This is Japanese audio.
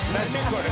これ。